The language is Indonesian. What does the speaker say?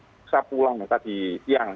ada satu orang ini yang bisa pulang maka di tiang